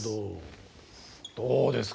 どうですか？